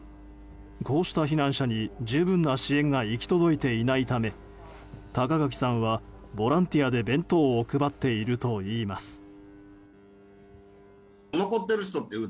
こうした避難者に十分な支援が行き届いていないため高垣さんはボランティアで弁当を配っているといいます。